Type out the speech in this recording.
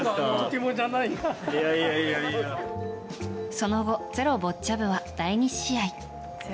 その後「ｚｅｒｏ」ボッチャ部は第２試合。